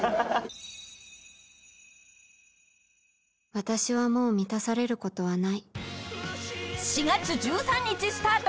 「私はもう満たされることはない」